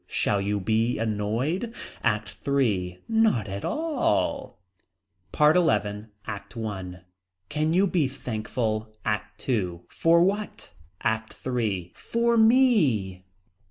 Shall you be annoyed. ACT III. Not at all. PART XI. ACT I. Can you be thankful. ACT II. For what. ACT III. For me.